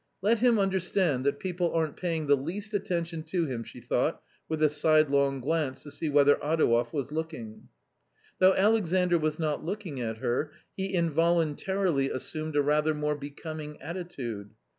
" Let him understand that people aren't paying the least attention to him !" she thought with a sidelong glance to see whether Adouev was looking. Though' Alexandr was not looking at her, he involun tarily assumed a rather more becoming attitude.